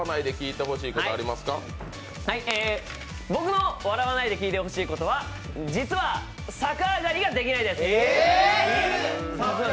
僕の笑わないで聞いてほしいことは実は、逆上がりができないです。